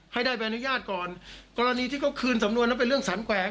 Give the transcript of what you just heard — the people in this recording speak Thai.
ให้ได้ใบอนุญาตก่อนกรณีที่เขาคืนสำนวนแล้วเป็นเรื่องสารแขวง